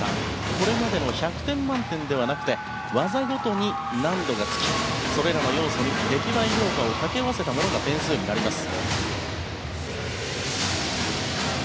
これまでの１００点満点ではなくて技ごとに難度がつきそれらの要素に評価を合わせたものが点数になります。